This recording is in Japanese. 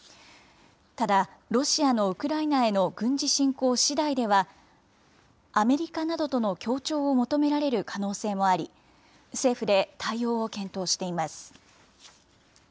ただ、ロシアのウクライナへの軍事侵攻しだいでは、アメリカなどとの協調を求められる可能性もあり、政府で対応を検討しています。